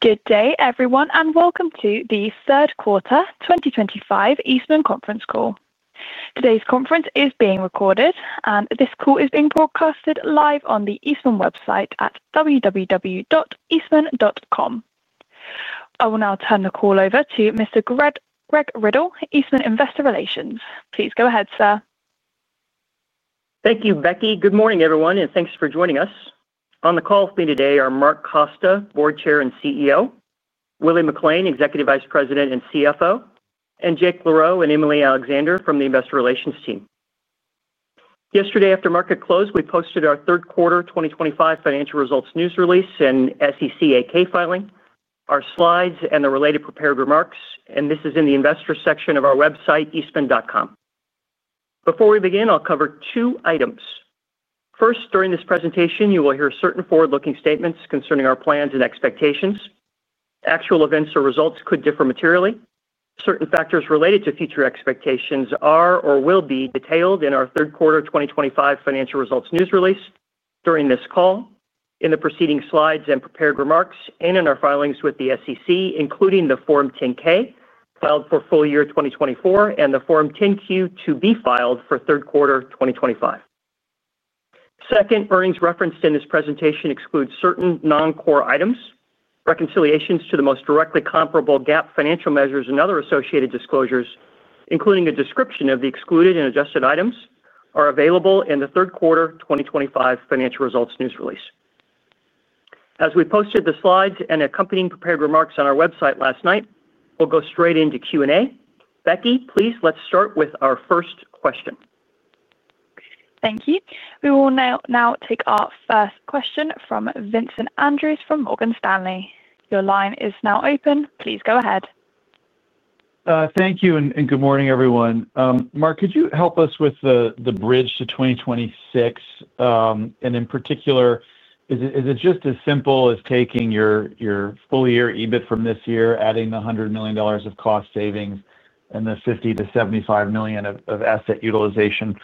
Good day, everyone, and welcome to the Third Quarter 2025 Eastman Conference Call. Today's conference is being recorded, and this call is being broadcast live on the Eastman website at www.eastman.com. I will now turn the call over to Mr. Greg Riddle, Eastman Investor Relations. Please go ahead, sir. Thank you, Becky. Good morning, everyone, and thanks for joining us. On the call with me today are Mark Costa, Board Chair and CEO; Willie McLain, Executive Vice President and CFO; and Jake Laroe and Emily Alexander from the Investor Relations team. Yesterday, after market close, we posted our third quarter 2025 financial results news release and SEC 8-K filing, our slides, and the related prepared remarks, and this is in the investor section of our website, eastman.com. Before we begin, I'll cover two items. First, during this presentation, you will hear certain forward-looking statements concerning our plans and expectations. Actual events or results could differ materially. Certain factors related to future expectations are or will be detailed in our third quarter 2025 financial results news release during this call, in the preceding slides and prepared remarks, and in our filings with the SEC, including the Form 10-K filed for full year 2024 and the Form 10-Q to be filed for third quarter 2025. Second, earnings referenced in this presentation exclude certain non-core items. Reconciliations to the most directly comparable GAAP financial measures and other associated disclosures, including a description of the excluded and adjusted items, are available in the third quarter 2025 financial results news release. As we posted the slides and accompanying prepared remarks on our website last night, we'll go straight into Q&A. Becky, please let's start with our first question. Thank you. We will now take our first question from Vincent Andrews from Morgan Stanley. Your line is now open. Please go ahead. Thank you and good morning, everyone. Mark, could you help us with the bridge to 2026? In particular, is it just as simple as taking your full-year EBIT from this year, adding the $100 million of cost savings and the $50-$75 million of asset utilization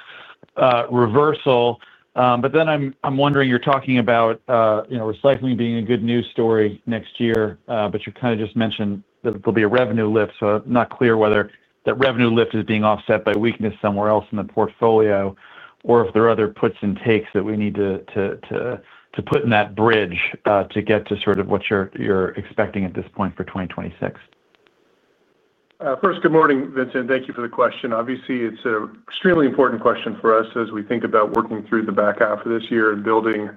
reversal? I am wondering, you are talking about recycling being a good news story next year, but you kind of just mentioned that there will be a revenue lift, so I am not clear whether that revenue lift is being offset by weakness somewhere else in the portfolio or if there are other puts and takes that we need to put in that bridge to get to sort of what you are expecting at this point for 2026. First, good morning, Vincent. Thank you for the question. Obviously, it's an extremely important question for us as we think about working through the back half of this year and building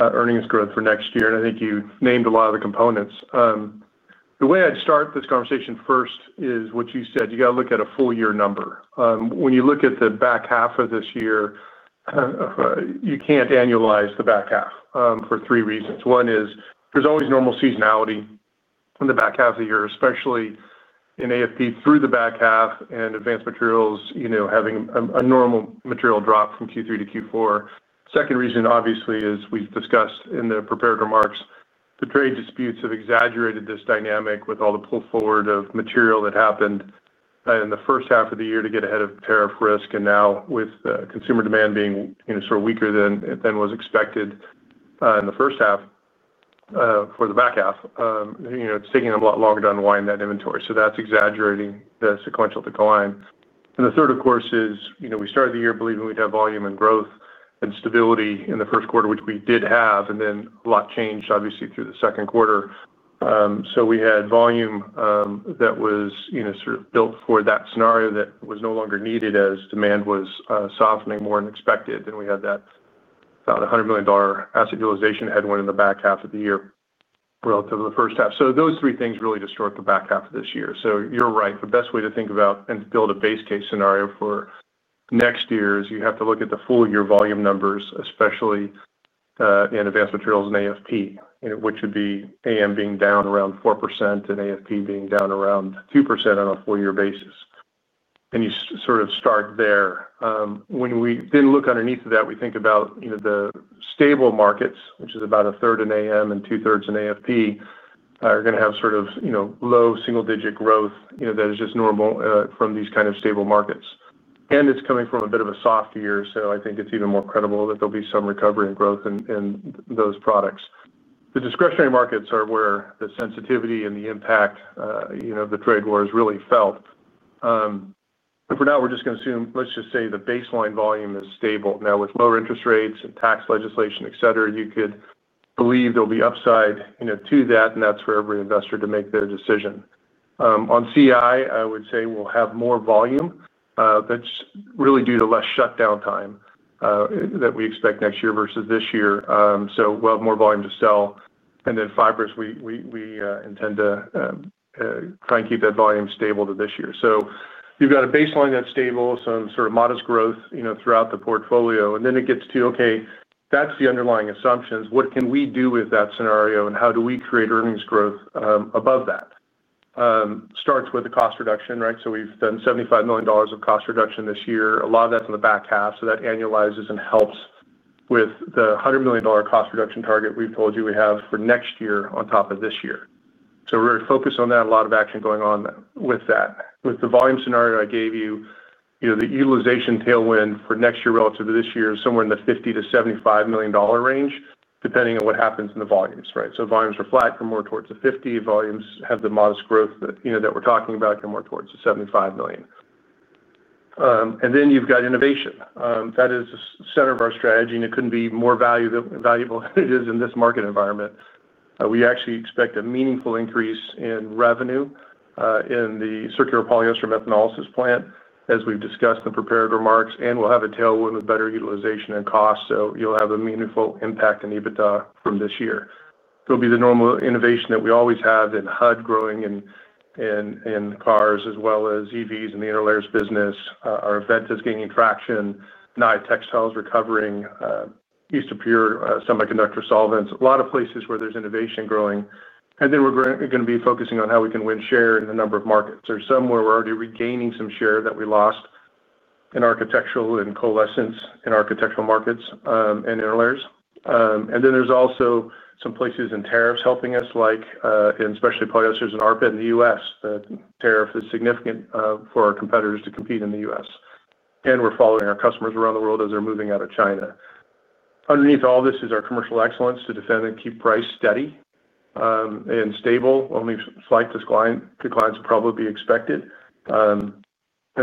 earnings growth for next year. I think you named a lot of the components. The way I'd start this conversation first is what you said. You got to look at a full-year number. When you look at the back half of this year, you can't annualize the back half for three reasons. One is there's always normal seasonality in the back half of the year, especially in AFP through the back half and advanced materials having a normal material drop from Q3 to Q4. Second reason, obviously, is we've discussed in the prepared remarks, the trade disputes have exaggerated this dynamic with all the pull forward of material that happened in the first half of the year to get ahead of tariff risk. Now, with consumer demand being sort of weaker than was expected in the first half, for the back half, it's taking them a lot longer to unwind that inventory. That's exaggerating the sequential decline. The third, of course, is we started the year believing we'd have volume and growth and stability in the first quarter, which we did have, and then a lot changed, obviously, through the second quarter. We had volume that was sort of built for that scenario that was no longer needed as demand was softening more than expected. We had that $100 million asset utilization headwind in the back half of the year relative to the first half. Those three things really distort the back half of this year. You're right. The best way to think about and build a base case scenario for next year is you have to look at the full-year volume numbers, especially in advanced materials and AFP, which would be AM being down around 4% and AFP being down around 2% on a full-year basis. You sort of start there. When we then look underneath of that, we think about the stable markets, which is about a third in AM and two-thirds in AFP, are going to have sort of low single-digit growth that is just normal from these kind of stable markets. It's coming from a bit of a soft year, so I think it's even more credible that there'll be some recovery and growth in those products. The discretionary markets are where the sensitivity and the impact of the trade war is really felt. For now, we're just going to assume, let's just say the baseline volume is stable. Now, with lower interest rates and tax legislation, etc., you could believe there'll be upside to that, and that's for every investor to make their decision. On CI, I would say we'll have more volume. That's really due to less shutdown time that we expect next year versus this year. We'll have more volume to sell. In fibers, we intend to try and keep that volume stable to this year. You've got a baseline that's stable, some sort of modest growth throughout the portfolio. It gets to, okay, that's the underlying assumptions. What can we do with that scenario, and how do we create earnings growth above that? Starts with the cost reduction, right? We've done $75 million of cost reduction this year. A lot of that's in the back half, so that annualizes and helps with the $100 million cost reduction target we've told you we have for next year on top of this year. We're focused on that. A lot of action going on with that. With the volume scenario I gave you, the utilization tailwind for next year relative to this year is somewhere in the $50 million-$75 million range, depending on what happens in the volumes, right? If volumes are flat, go more towards the $50. If volumes have the modest growth that we're talking about, go more towards the $75 million. Then you've got innovation. That is the center of our strategy, and it couldn't be more valuable than it is in this market environment. We actually expect a meaningful increase in revenue in the circular polyester methanolysis plant, as we've discussed in the prepared remarks, and we'll have a tailwind with better utilization and cost, so you'll have a meaningful impact in EBITDA from this year. It'll be the normal innovation that we always have in HUD growing in cars as well as EVs and the interlayers business. Aventa is gaining traction. Naia textiles recovering. East of peer semiconductor solvents. A lot of places where there's innovation growing. We're going to be focusing on how we can win share in a number of markets. There's some where we're already regaining some share that we lost, in architectural and coalescence in architectural markets and interlayers. There's also some places in tariffs helping us, like in specialty polyesters and rPET in the U.S. The tariff is significant for our competitors to compete in the U.S. We're following our customers around the world as they're moving out of China. Underneath all this is our commercial excellence to defend and keep price steady and stable. Only slight declines will probably be expected, and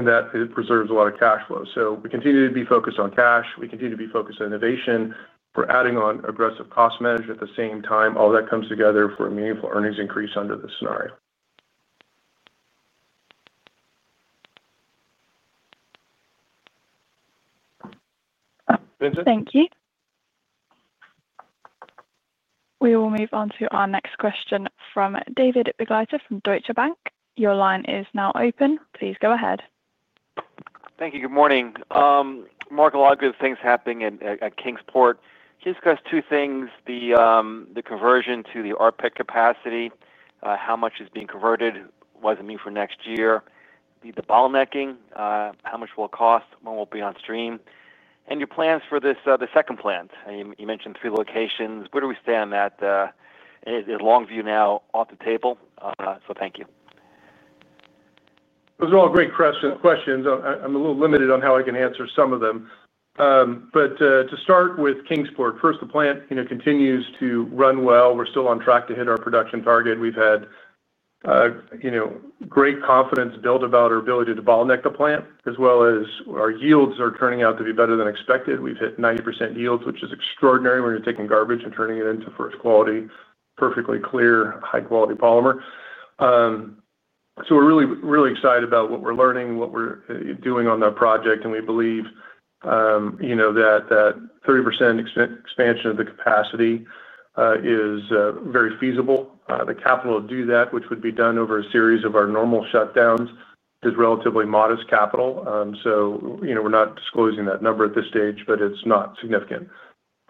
that preserves a lot of cash flow. We continue to be focused on cash. We continue to be focused on innovation. We're adding on aggressive cost management at the same time. All that comes together for a meaningful earnings increase under this scenario. Thank you. We will move on to our next question from David Begleiter from Deutsche Bank. Your line is now open. Please go ahead. Thank you. Good morning. Mark, a lot of good things happening at Kingsport. He discussed two things: the conversion to the rPET capacity, how much is being converted, what does it mean for next year, the bottlenecking, how much will it cost, when we'll be on stream, and your plans for the second plant. You mentioned three locations. Where do we stand on that? Is Longview now off the table? Thank you. Those are all great questions. I'm a little limited on how I can answer some of them. To start with Kingsport, first, the plant continues to run well. We're still on track to hit our production target. We've had great confidence built about our ability to bottleneck the plant, as well as our yields are turning out to be better than expected. We've hit 90% yields, which is extraordinary when you're taking garbage and turning it into first quality, perfectly clear, high-quality polymer. We're really, really excited about what we're learning, what we're doing on that project. We believe that 30% expansion of the capacity is very feasible. The capital to do that, which would be done over a series of our normal shutdowns, is relatively modest capital. We're not disclosing that number at this stage, but it's not significant.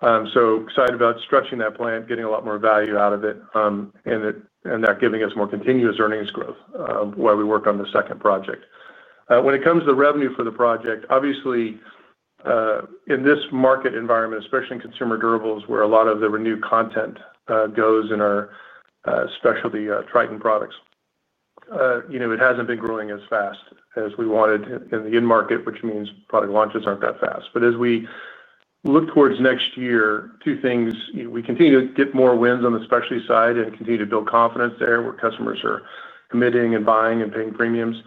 Excited about stretching that plant, getting a lot more value out of it, and that giving us more continuous earnings growth while we work on the second project. When it comes to the revenue for the project, obviously in this market environment, especially in consumer durables, where a lot of the renewed content goes in our specialty Tritan products, it hasn't been growing as fast as we wanted in the end market, which means product launches aren't that fast. As we look towards next year, two things: we continue to get more wins on the specialty side and continue to build confidence there where customers are committing and buying and paying premiums.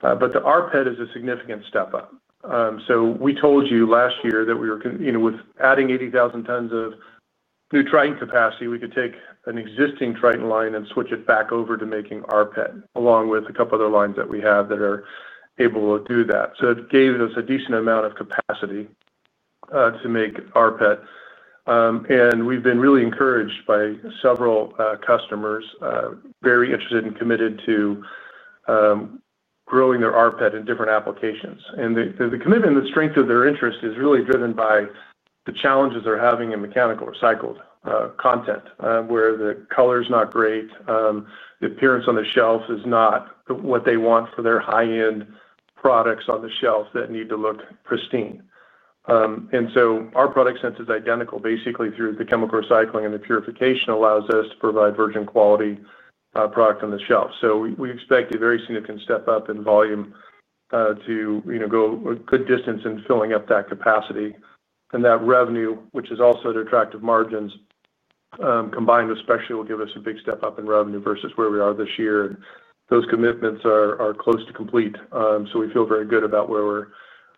The rPET is a significant step up. We told you last year that we were, with adding 80,000 tons of new Tritan capacity, we could take an existing Tritan line and switch it back over to making rPET, along with a couple of other lines that we have that are able to do that. It gave us a decent amount of capacity to make rPET. We've been really encouraged by several customers, very interested and committed to growing their rPET in different applications. The commitment and the strength of their interest is really driven by the challenges they're having in mechanical recycled content, where the color is not great. The appearance on the shelf is not what they want for their high-end products on the shelf that need to look pristine. Our product sense is identical, basically, through the chemical recycling and the purification allows us to provide virgin quality product on the shelf. We expect a very significant step up in volume to go a good distance in filling up that capacity. That revenue, which is also the attractive margins, combined with specialty, will give us a big step up in revenue versus where we are this year. Those commitments are close to complete. We feel very good about where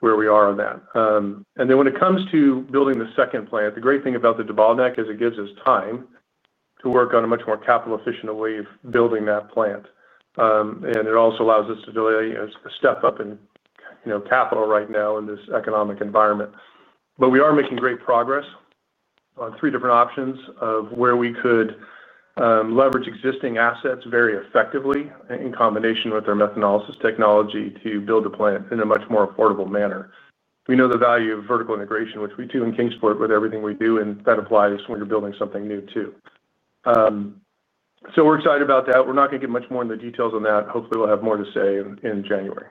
we are on that. When it comes to building the second plant, the great thing about the devolved neck is it gives us time to work on a much more capital-efficient way of building that plant. It also allows us to delay a step up in capital right now in this economic environment. We are making great progress on three different options of where we could leverage existing assets very effectively in combination with our methanolysis technology to build the plant in a much more affordable manner. We know the value of vertical integration, which we do in Kingsport with everything we do, and that applies when you're building something new too. We are excited about that. We are not going to get much more in the details on that. Hopefully, we will have more to say in January.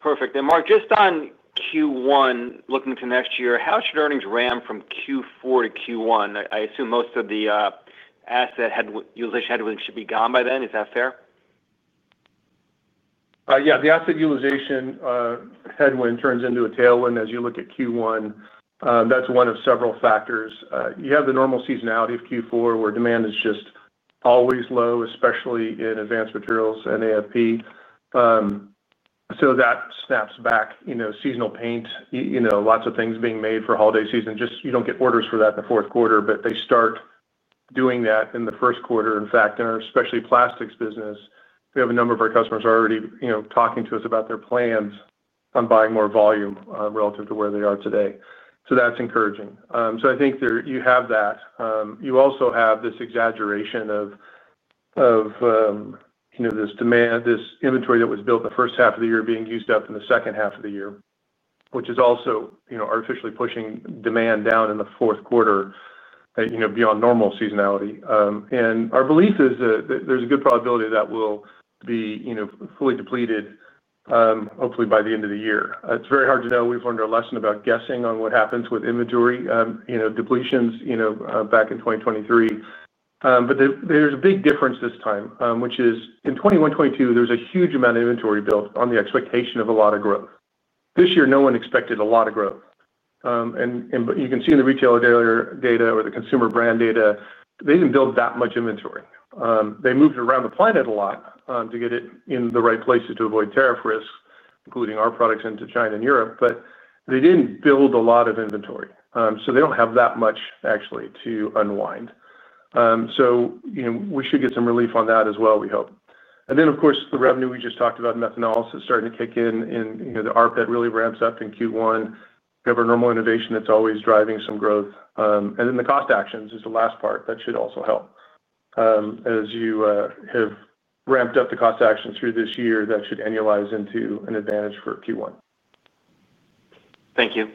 Perfect. Mark, just on Q1, looking to next year, how should earnings ramp from Q4 to Q1? I assume most of the asset utilization headwind should be gone by then. Is that fair? Yeah. The asset utilization headwind turns into a tailwind as you look at Q1. That is one of several factors. You have the normal seasonality of Q4, where demand is just always low, especially in advanced materials and AFP. That snaps back. Seasonal paint, lots of things being made for holiday season. You do not get orders for that in the fourth quarter, but they start doing that in the first quarter. In fact, in our specialty plastics business, we have a number of our customers already talking to us about their plans on buying more volume relative to where they are today. That is encouraging. I think you have that. You also have this exaggeration of this demand, this inventory that was built in the first half of the year being used up in the second half of the year, which is also artificially pushing demand down in the fourth quarter beyond normal seasonality. Our belief is that there is a good probability that will be fully depleted, hopefully by the end of the year. It is very hard to know. We have learned our lesson about guessing on what happens with inventory depletions back in 2023. There is a big difference this time, which is in 2021, 2022, there was a huge amount of inventory built on the expectation of a lot of growth. This year, no one expected a lot of growth. You can see in the retail data or the consumer brand data, they did not build that much inventory. They moved around the planet a lot to get it in the right places to avoid tariff risks, including our products into China and Europe, but they did not build a lot of inventory. They do not have that much, actually, to unwind. We should get some relief on that as well, we hope. Of course, the revenue we just talked about in methanolysis starting to kick in, and the rPET really ramps up in Q1. We have our normal innovation that is always driving some growth. The cost actions is the last part that should also help. As you have ramped up the cost actions through this year, that should annualize into an advantage for Q1. Thank you.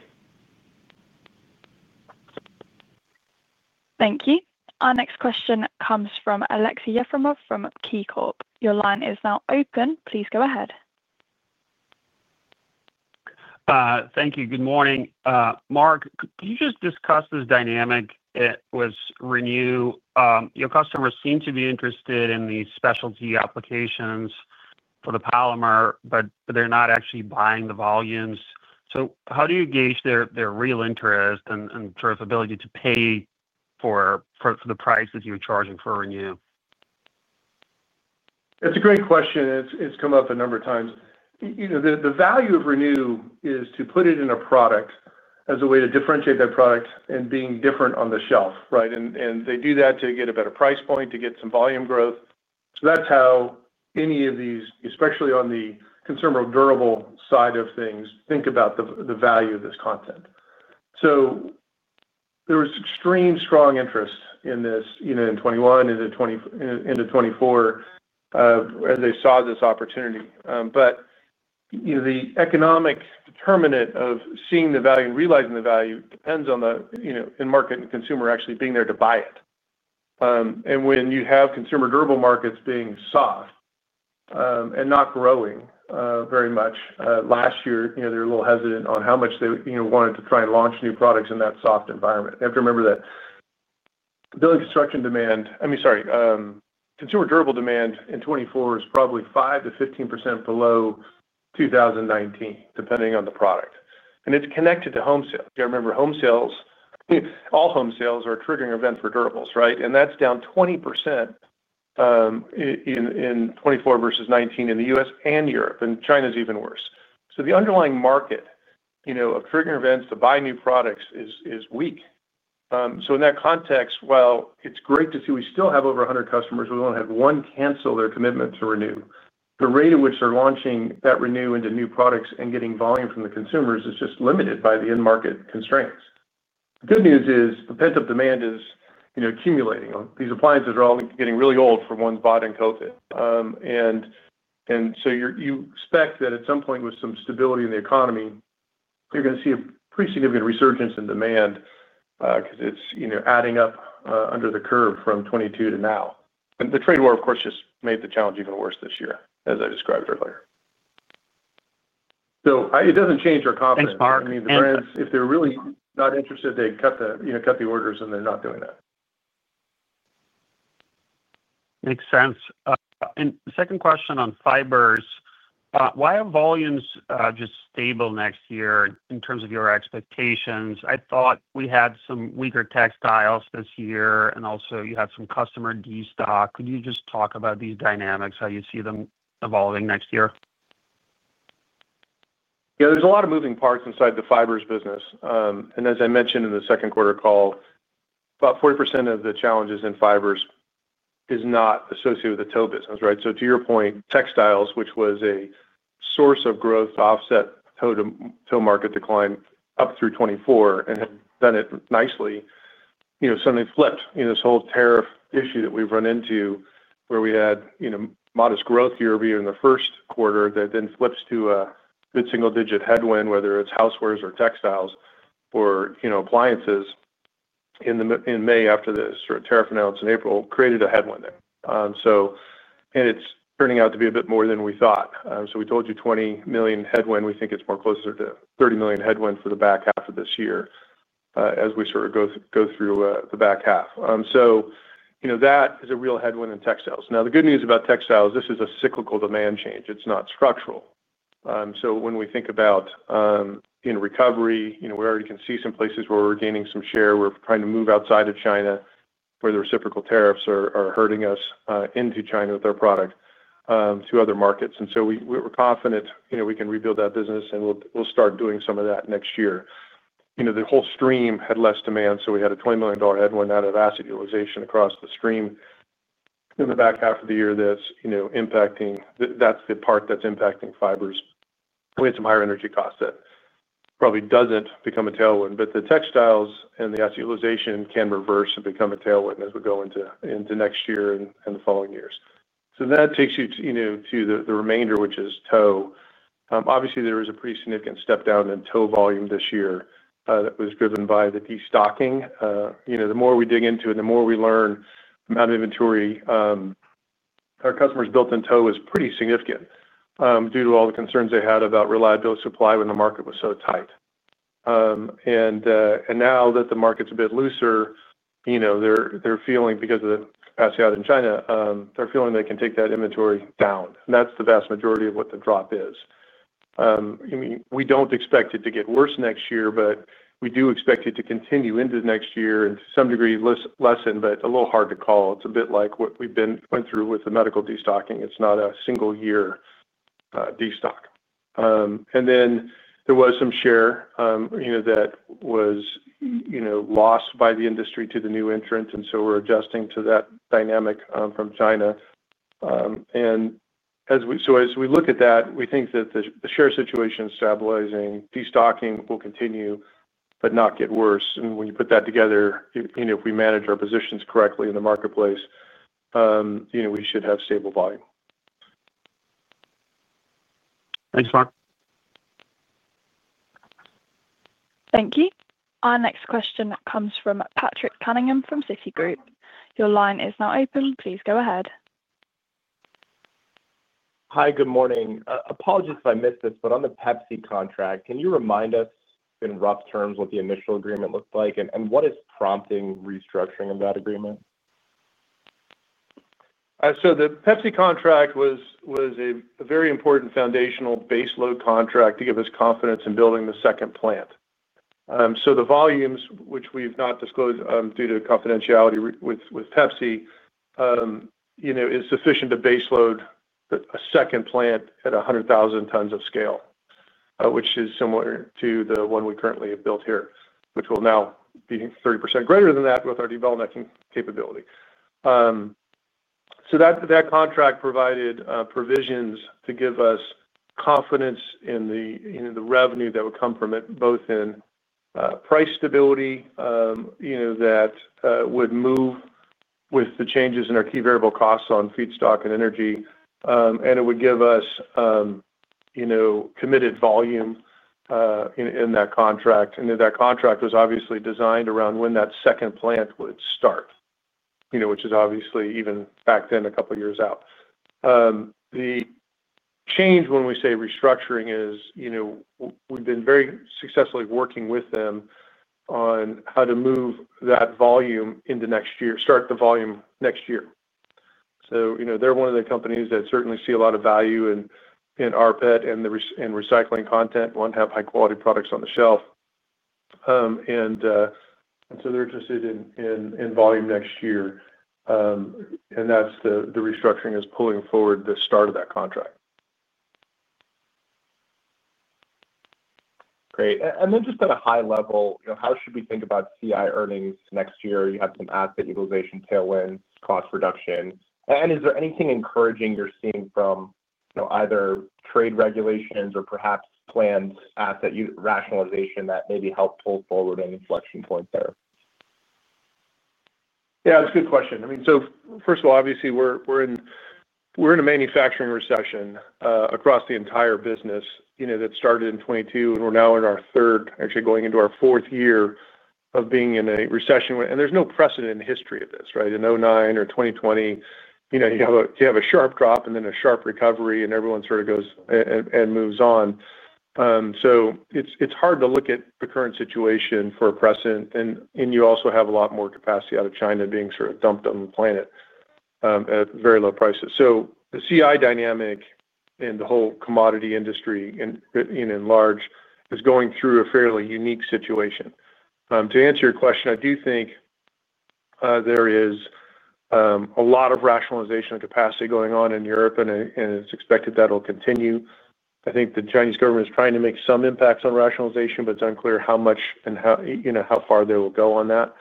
Thank you. Our next question comes from Aleksey Yefremov from KeyBanc. Your line is now open. Please go ahead. Thank you. Good morning. Mark, could you just discuss this dynamic with Renew? Your customers seem to be interested in the specialty applications for the polymer, but they're not actually buying the volumes. How do you gauge their real interest and sort of ability to pay for the price that you're charging for Renew? That's a great question. It's come up a number of times. The value of Renew is to put it in a product as a way to differentiate that product and being different on the shelf, right? And they do that to get a better price point, to get some volume growth. That's how any of these, especially on the consumer durable side of things, think about the value of this content. There was extreme strong interest in this in 2021 and into 2024 as they saw this opportunity. The economic determinant of seeing the value and realizing the value depends on the market and consumer actually being there to buy it. When you have consumer durable markets being soft and not growing very much, last year, they were a little hesitant on how much they wanted to try and launch new products in that soft environment. You have to remember that building construction demand—I mean, sorry—consumer durable demand in 2024 is probably 5%-15% below 2019, depending on the product. It's connected to home sales. You got to remember, home sales. All home sales are a triggering event for durables, right? That's down 20% in 2024 versus 2019 in the U.S. and Europe. China's even worse. The underlying market of triggering events to buy new products is weak. In that context, while it's great to see we still have over 100 customers, we only have one cancel their commitment to Renew. The rate at which they're launching that Renew into new products and getting volume from the consumers is just limited by the end market constraints. The good news is the pent-up demand is accumulating. These appliances are all getting really old for one's body and coat it. You expect that at some point, with some stability in the economy, you're going to see a pretty significant resurgence in demand because it's adding up under the curve from 2022 to now. The trade war, of course, just made the challenge even worse this year, as I described earlier. It doesn't change our confidence. Thanks, Mark. I mean, the brands, if they're really not interested, they cut the orders, and they're not doing that. Makes sense. Second question on fibers. Why are volumes just stable next year in terms of your expectations? I thought we had some weaker textiles this year, and also you had some customer destock. Could you just talk about these dynamics, how you see them evolving next year? Yeah. There's a lot of moving parts inside the fibers business. And as I mentioned in the second quarter call, about 40% of the challenges in fibers is not associated with the tow business, right? To your point, textiles, which was a source of growth to offset tow market decline up through 2024 and had done it nicely, suddenly flipped. This whole tariff issue that we've run into, where we had modest growth year-over-year in the first quarter that then flips to a good single-digit headwind, whether it's housewares or textiles or appliances. In May, after the sort of tariff announced in April, created a headwind there. It's turning out to be a bit more than we thought. We told you $20 million headwind. We think it's more closer to $30 million headwind for the back half of this year as we sort of go through the back half. That is a real headwind in textiles. Now, the good news about textiles, this is a cyclical demand change. It's not structural. When we think about recovery, we already can see some places where we're gaining some share. We're trying to move outside of China, where the reciprocal tariffs are hurting us, into China with our product to other markets. We're confident we can rebuild that business, and we'll start doing some of that next year. The whole stream had less demand, so we had a $20 million headwind out of asset utilization across the stream. In the back half of the year, that's the part that's impacting fibers. We had some higher energy costs that probably doesn't become a tailwind. The textiles and the asset utilization can reverse and become a tailwind as we go into next year and the following years. That takes you to the remainder, which is tow. Obviously, there was a pretty significant step down in tow volume this year that was driven by the destocking. The more we dig into it, the more we learn the amount of inventory our customers built in tow was pretty significant due to all the concerns they had about reliability supply when the market was so tight. Now that the market's a bit looser, they're feeling, because of the capacity out in China, they can take that inventory down. That's the vast majority of what the drop is. I mean, we don't expect it to get worse next year, but we do expect it to continue into the next year and, to some degree, lessen, but a little hard to call. It's a bit like what we went through with the medical destocking. It's not a single-year destock. There was some share that was lost by the industry to the new entrants, and we're adjusting to that dynamic from China. As we look at that, we think that the share situation is stabilizing. Destocking will continue but not get worse. When you put that together, if we manage our positions correctly in the marketplace, we should have stable volume. Thanks, Mark. Thank you. Our next question comes from Patrick Cunningham Citigroup. Your line is now open. Please go ahead. Hi, good morning. Apologies if I missed this, but on the Pepsi contract, can you remind us in rough terms what the initial agreement looked like and what is prompting restructuring of that agreement? The Pepsi contract was a very important foundational baseload contract to give us confidence in building the second plant. The volumes, which we've not disclosed due to confidentiality with Pepsi, are sufficient to baseload a second plant at 100,000 tons of scale, which is similar to the one we currently have built here, which will now be 30% greater than that with our development capability. That contract provided provisions to give us confidence in the revenue that would come from it, both in price stability that would move with the changes in our key variable costs on feedstock and energy, and it would give us committed volume in that contract. That contract was obviously designed around when that second plant would start, which is obviously even back then a couple of years out. The change when we say restructuring is we've been very successfully working with them on how to move that volume into next year, start the volume next year. They are one of the companies that certainly see a lot of value in rPET and recycling content, want to have high-quality products on the shelf. They are interested in volume next year, and that's the restructuring, pulling forward the start of that contract. Great. Just at a high level, how should we think about CI earnings next year? You have some asset utilization, tailwinds, cost reduction. Is there anything encouraging you are seeing from either trade regulations or perhaps planned asset rationalization that maybe helped pull forward an inflection point there? Yeah, that's a good question. I mean, first of all, obviously, we're in a manufacturing recession across the entire business that started in 2022, and we're now in our third, actually going into our fourth year of being in a recession. There's no precedent in the history of this, right? In 2009 or 2020, you have a sharp drop and then a sharp recovery, and everyone sort of goes and moves on. It's hard to look at the current situation for a precedent. You also have a lot more capacity out of China being sort of dumped on the planet at very low prices. The CI dynamic in the whole commodity industry in large is going through a fairly unique situation. To answer your question, I do think there is a lot of rationalization of capacity going on in Europe, and it's expected that will continue. I think the Chinese government is trying to make some impacts on rationalization, but it's unclear how much and how far they will go on that.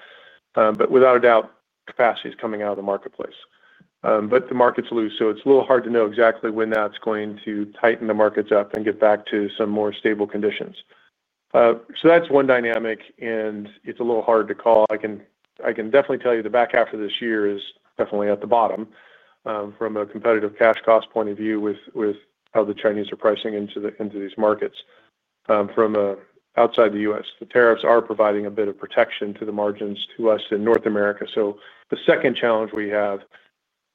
Without a doubt, capacity is coming out of the marketplace. The market's loose, so it's a little hard to know exactly when that's going to tighten the markets up and get back to some more stable conditions. That's one dynamic, and it's a little hard to call. I can definitely tell you the back half of this year is definitely at the bottom from a competitive cash cost point of view with how the Chinese are pricing into these markets from outside the U.S. The tariffs are providing a bit of protection to the margins to us in North America. The second challenge we have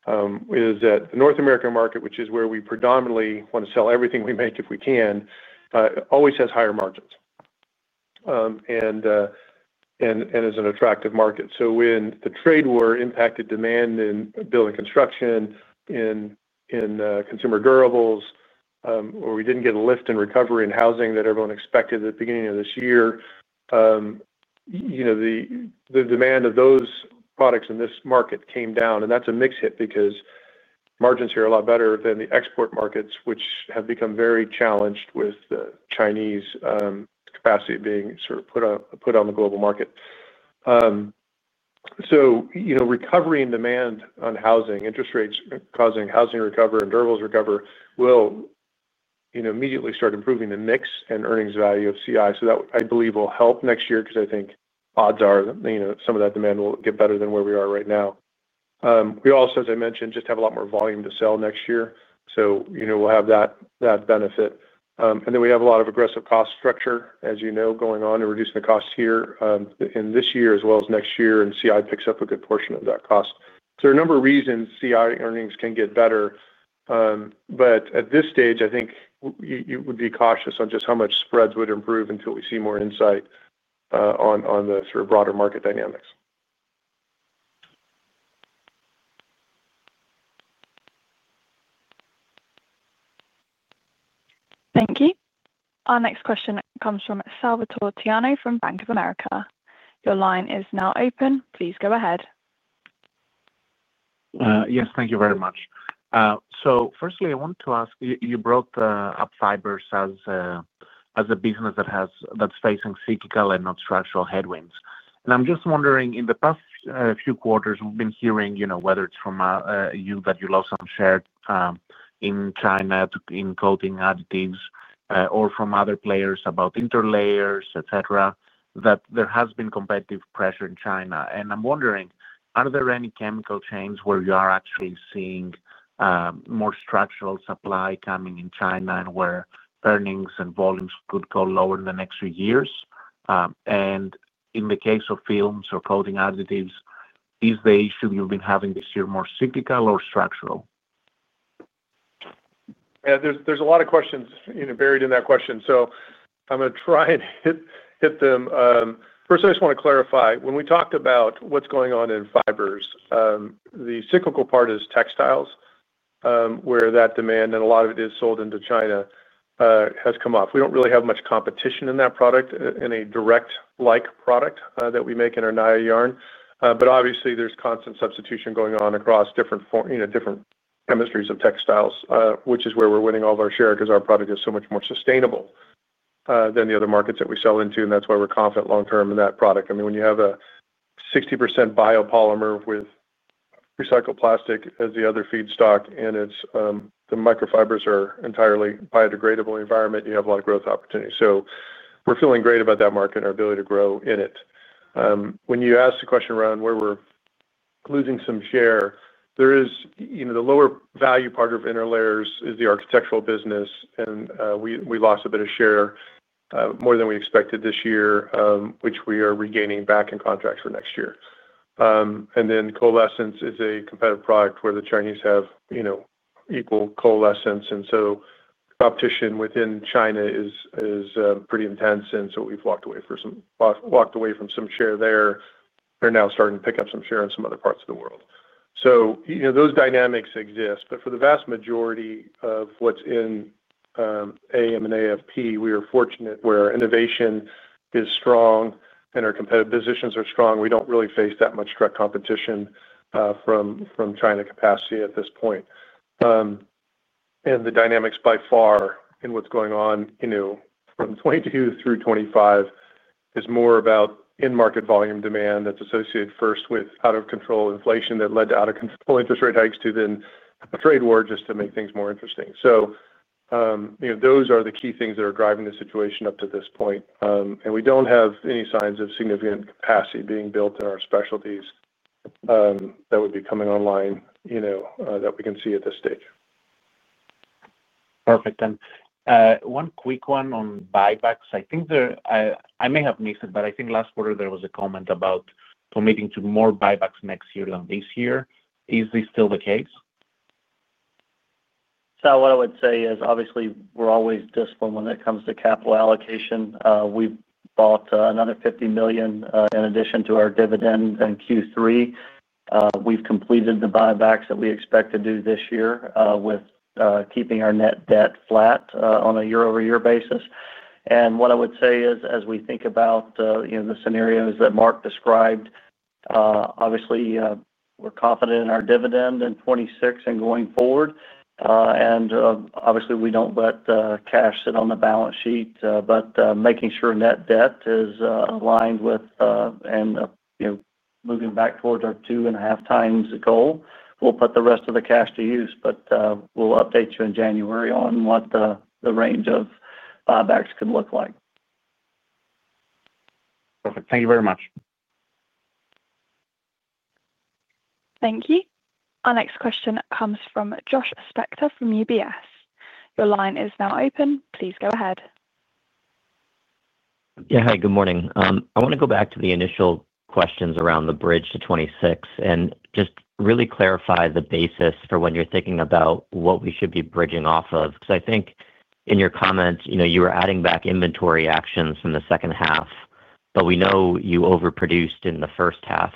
is that the North American market, which is where we predominantly want to sell everything we make if we can, always has higher margins and is an attractive market. When the trade war impacted demand in building construction, in consumer durables, or we didn't get a lift in recovery in housing that everyone expected at the beginning of this year, the demand of those products in this market came down. That's a mixed hit because margins here are a lot better than the export markets, which have become very challenged with the Chinese capacity being sort of put on the global market. Recovery and demand on housing, interest rates causing housing recover and durables recover will immediately start improving the mix and earnings value of CI. I believe it will help next year because I think odds are some of that demand will get better than where we are right now. We also, as I mentioned, just have a lot more volume to sell next year, so we'll have that benefit. Then we have a lot of aggressive cost structure, as you know, going on to reduce the cost here in this year as well as next year, and CI picks up a good portion of that cost. There are a number of reasons CI earnings can get better. At this stage, I think you would be cautious on just how much spreads would improve until we see more insight on the sort of broader market dynamics. Thank you. Our next question comes from Salvator Tiano from Bank of America. Your line is now open. Please go ahead. Yes, thank you very much. Firstly, I want to ask, you brought up fibers as a business that's facing cyclical and not structural headwinds. I'm just wondering, in the past few quarters, we've been hearing, whether it's from you that you lost some share in China in coating additives or from other players about interlayers, etc., that there has been competitive pressure in China. I'm wondering, are there any chemical chains where you are actually seeing more structural supply coming in China and where earnings and volumes could go lower in the next few years? In the case of films or coating additives, is the issue you've been having this year more cyclical or structural? Yeah, there's a lot of questions buried in that question. I'm going to try and hit them. First, I just want to clarify. When we talked about what's going on in fibers, the cyclical part is textiles. Where that demand, and a lot of it is sold into China, has come off. We don't really have much competition in that product, in a direct-like product that we make in our Naia yarn. Obviously, there's constant substitution going on across different chemistries of textiles, which is where we're winning all of our share because our product is so much more sustainable than the other markets that we sell into. That's why we're confident long-term in that product. I mean, when you have a 60% biopolymer with recycled plastic as the other feedstock, and the microfibers are entirely biodegradable environment, you have a lot of growth opportunities. We're feeling great about that market and our ability to grow in it. When you ask the question around where we're losing some share, the lower value part of interlayers is the architectural business, and we lost a bit of share more than we expected this year, which we are regaining back in contracts for next year. coalescence is a competitive product where the Chinese have equal coalescence, and competition within China is pretty intense. We've walked away from some share there. They're now starting to pick up some share in some other parts of the world. Those dynamics exist. For the vast majority of what's in AM and AFP, we are fortunate where innovation is strong and our competitive positions are strong. We don't really face that much direct competition from China capacity at this point. The dynamics by far in what's going on from 2022 through 2025 is more about in-market volume demand that's associated first with out-of-control inflation that led to out-of-control interest rate hikes to a trade war just to make things more interesting. Those are the key things that are driving the situation up to this point. We don't have any signs of significant capacity being built in our specialties that would be coming online that we can see at this stage. Perfect. And one quick one on buybacks. I think I may have missed it, but I think last quarter there was a comment about committing to more buybacks next year than this year. Is this still the case? What I would say is, obviously, we're always disciplined when it comes to capital allocation. We've bought another $50 million in addition to our dividend in Q3. We've completed the buybacks that we expect to do this year with keeping our net debt flat on a year-over-year basis. What I would say is, as we think about the scenarios that Mark described, obviously, we're confident in our dividend in 2026 and going forward. Obviously, we don't let cash sit on the balance sheet, but making sure net debt is aligned with, and moving back towards our two and a half times goal, we'll put the rest of the cash to use. We'll update you in January on what the range of buybacks could look like. Perfect. Thank you very much. Thank you. Our next question comes from Josh Spector from UBS. Your line is now open. Please go ahead. Yeah, hi, good morning. I want to go back to the initial questions around the bridge to 2026 and just really clarify the basis for when you're thinking about what we should be bridging off of. Because I think in your comments, you were adding back inventory actions from the second half, but we know you overproduced in the first half.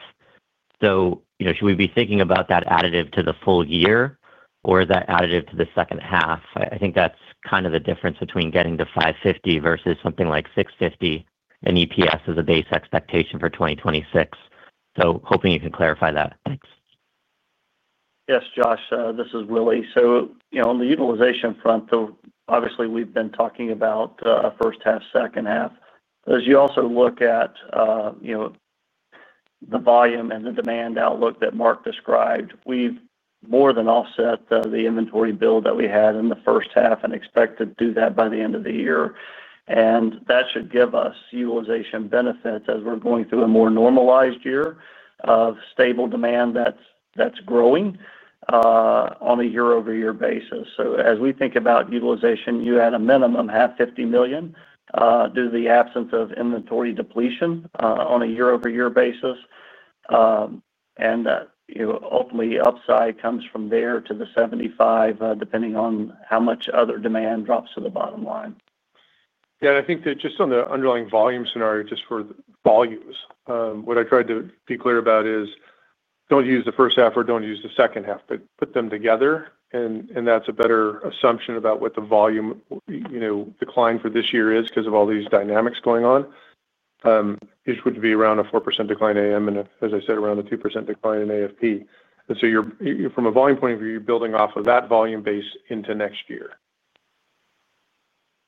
Should we be thinking about that additive to the full year or that additive to the second half? I think that's kind of the difference between getting to $5.50 versus something like $6.50 in EPS as a base expectation for 2026. Hoping you can clarify that. Thanks. Yes, Josh, this is Willie. On the utilization front, obviously, we've been talking about first half, second half. As you also look at the volume and the demand outlook that Mark described, we've more than offset the inventory build that we had in the first half and expect to do that by the end of the year. That should give us utilization benefits as we're going through a more normalized year of stable demand that's growing on a year-over-year basis. As we think about utilization, you had a minimum half $50 million due to the absence of inventory depletion on a year-over-year basis. Ultimately, upside comes from there to the $75 million, depending on how much other demand drops to the bottom line. Yeah, and I think that just on the underlying volume scenario, just for volumes, what I tried to be clear about is. Do not use the first half or do not use the second half, but put them together. That is a better assumption about what the volume decline for this year is because of all these dynamics going on. Which would be around a 4% decline in AM and, as I said, around a 2% decline in AFP. From a volume point of view, you are building off of that volume base into next year.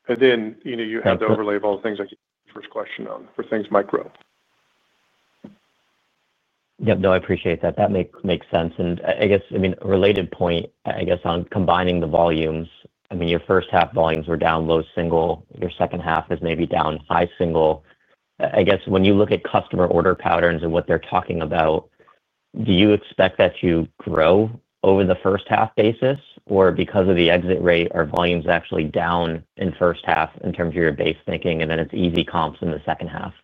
Then you have to overlay all the things I keep the first question on for things micro. Yep, no, I appreciate that. That makes sense. I guess, I mean, a related point, I guess, on combining the volumes. I mean, your first half volumes were down low single. Your second half is maybe down high single. I guess when you look at customer order patterns and what they're talking about. Do you expect that to grow over the first half basis or because of the exit rate or volumes actually down in first half in terms of your base thinking and then it's easy comps in the second half?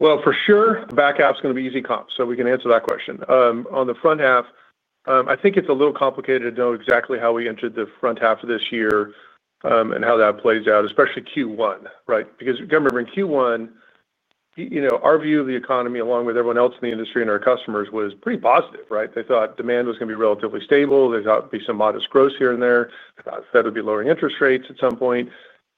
For sure, back half is going to be easy comps. We can answer that question. On the front half, I think it's a little complicated to know exactly how we entered the front half of this year and how that plays out, especially Q1, right? You got to remember in Q1, our view of the economy along with everyone else in the industry and our customers was pretty positive, right? They thought demand was going to be relatively stable. They thought there would be some modest growth here and there. They thought there would be lowering interest rates at some point.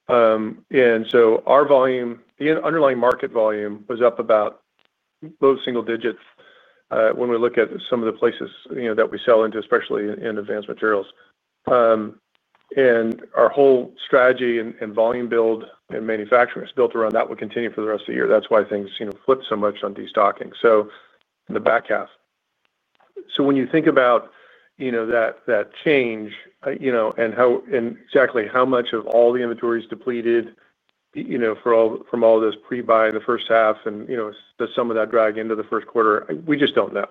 Our volume, the underlying market volume, was up about low single digits when we look at some of the places that we sell into, especially in advanced materials. Our whole strategy and volume build and manufacturing is built around that will continue for the rest of the year. That is why things flipped so much on destocking. In the back half, when you think about that change and exactly how much of all the inventory is depleted from all this pre-buy in the first half and the sum of that drag into the first quarter, we just do not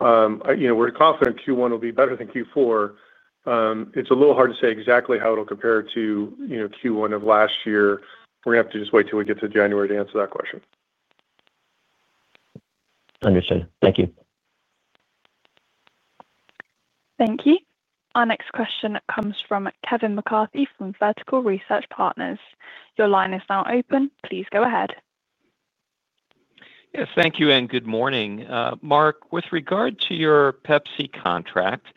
know. We are confident Q1 will be better than Q4. It is a little hard to say exactly how it will compare to Q1 of last year. We are going to have to just wait till we get to January to answer that question. Understood. Thank you. Thank you. Our next question comes from Kevin McCarthy from Vertical Research Partners. Your line is now open. Please go ahead. Yes, thank you and good morning. Mark, with regard to your Pepsi contract,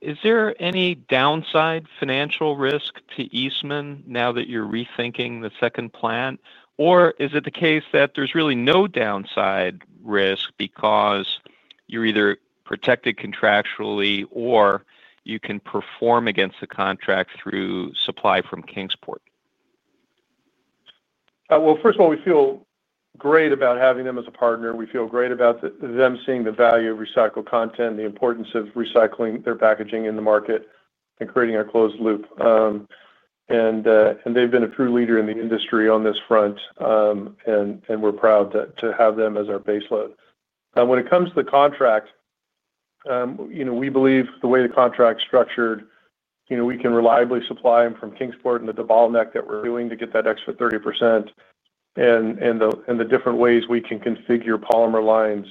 is there any downside financial risk to Eastman now that you're rethinking the second plant? Or is it the case that there's really no downside risk because you're either protected contractually or you can perform against the contract through supply from Kingsport? First of all, we feel great about having them as a partner. We feel great about them seeing the value of recycled content, the importance of recycling their packaging in the market, and creating our closed loop. They have been a true leader in the industry on this front. We are proud to have them as our baseload. When it comes to the contract, we believe the way the contract is structured, we can reliably supply them from Kingsport and the bottleneck that we are doing to get that extra 30%. The different ways we can configure polymer lines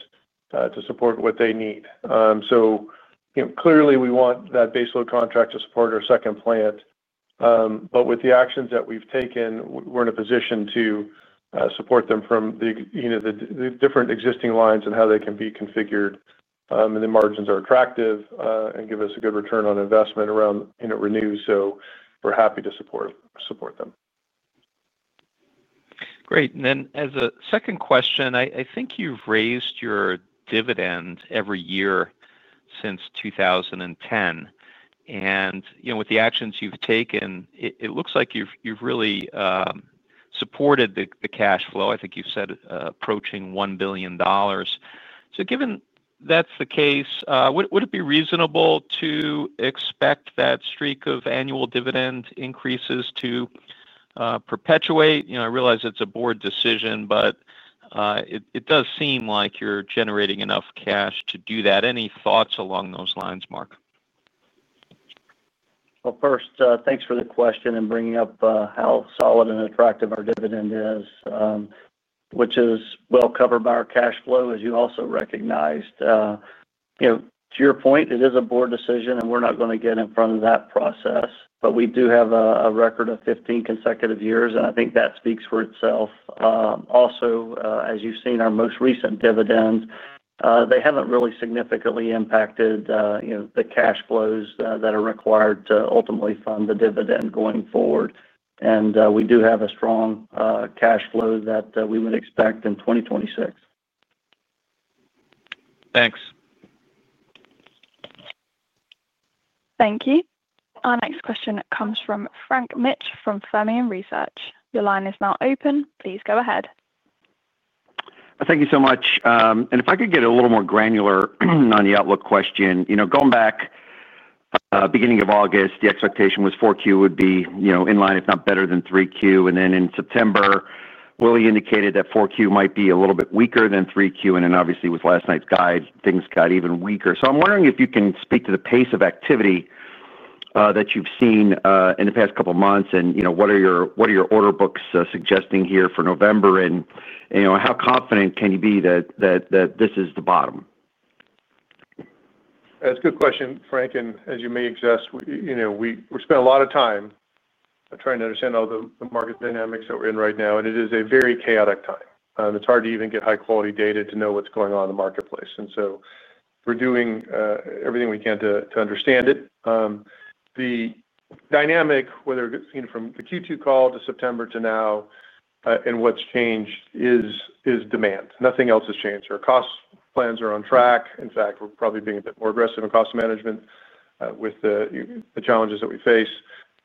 to support what they need. Clearly, we want that baseload contract to support our second plant. With the actions that we have taken, we are in a position to support them from the different existing lines and how they can be configured. The margins are attractive and give us a good return on investment around Renew. We are happy to support them. Great. As a second question, I think you've raised your dividend every year since 2010. With the actions you've taken, it looks like you've really supported the cash flow. I think you've said approaching $1 billion. Given that's the case, would it be reasonable to expect that streak of annual dividend increases to perpetuate? I realize it's a board decision, but it does seem like you're generating enough cash to do that. Any thoughts along those lines, Mark? First, thanks for the question and bringing up how solid and attractive our dividend is, which is well covered by our cash flow, as you also recognized. To your point, it is a board decision, and we're not going to get in front of that process. We do have a record of 15 consecutive years, and I think that speaks for itself. Also, as you've seen our most recent dividends, they have not really significantly impacted the cash flows that are required to ultimately fund the dividend going forward. We do have a strong cash flow that we would expect in 2026. Thanks. Thank you. Our next question comes from Frank Mitsch from Fermium Research. Your line is now open. Please go ahead. Thank you so much. If I could get a little more granular on the outlook question. Going back, beginning of August, the expectation was 4Q would be in line, if not better than 3Q. In September, Willie indicated that 4Q might be a little bit weaker than 3Q. Obviously, with last night's guide, things got even weaker. I am wondering if you can speak to the pace of activity that you've seen in the past couple of months and what your order books are suggesting here for November. How confident can you be that this is the bottom? That's a good question, Frank. As you may suggest, we spend a lot of time trying to understand all the market dynamics that we're in right now. It is a very chaotic time. It's hard to even get high-quality data to know what's going on in the marketplace. We are doing everything we can to understand it. The dynamic, whether it's from the Q2 call to September to now. What's changed is demand. Nothing else has changed. Our cost plans are on track. In fact, we're probably being a bit more aggressive in cost management with the challenges that we face.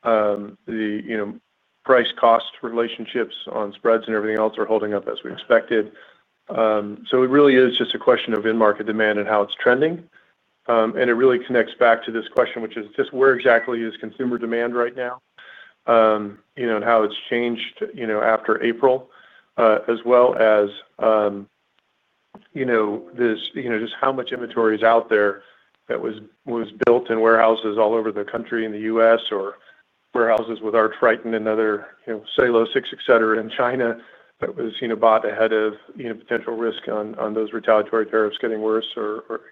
The price-cost relationships on spreads and everything else are holding up as we expected. It really is just a question of in-market demand and how it's trending. It really connects back to this question, which is just where exactly is consumer demand right now and how it's changed after April, as well as just how much inventory is out there that was built in warehouses all over the country in the U.S. or warehouses with our Tritan and other cellulosic, etc., in China that was bought ahead of potential risk on those retaliatory tariffs getting worse,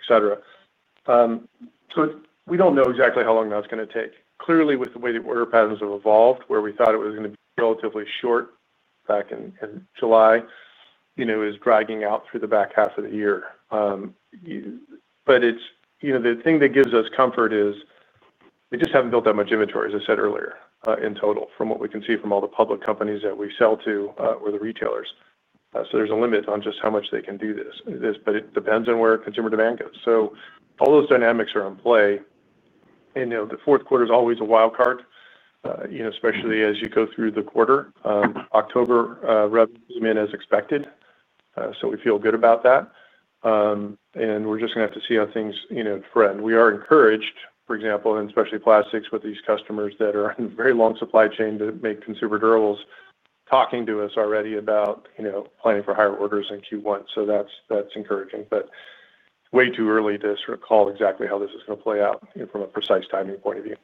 etc. We don't know exactly how long that's going to take. Clearly, with the way that order patterns have evolved, where we thought it was going to be relatively short back in July, it is dragging out through the back half of the year. The thing that gives us comfort is they just haven't built that much inventory, as I said earlier, in total from what we can see from all the public companies that we sell to or the retailers. There's a limit on just how much they can do this. It depends on where consumer demand goes. All those dynamics are in play. The fourth quarter is always a wild card, especially as you go through the quarter. October revenues came in as expected. We feel good about that. We're just going to have to see how things trend. We are encouraged, for example, in specialty plastics with these customers that are in a very long supply chain to make consumer durables talking to us already about planning for higher orders in Q1. That's encouraging. It's way too early to sort of call exactly how this is going to play out from a precise timing point of view.